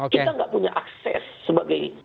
kita nggak punya akses sebagai